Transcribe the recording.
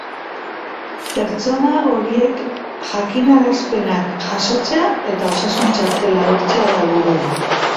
Pertsona horiek jakinarazpenak jasotzea eta osasun txartela lortzea da helburua.